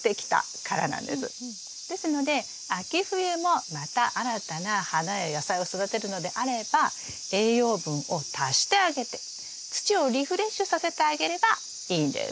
ですので秋冬もまた新たな花や野菜を育てるのであれば栄養分を足してあげて土をリフレッシュさせてあげればいいんです。